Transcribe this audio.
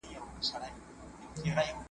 آس هم د ننګ وي هم د جنګ وي .